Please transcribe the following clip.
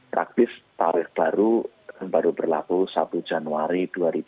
praktis tarif baru baru berlaku satu januari dua ribu dua puluh